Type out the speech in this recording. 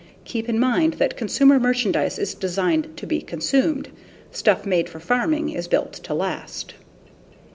Keep in mind that consumer merchandise is designed to be consumed; stuff made for farming is built to last.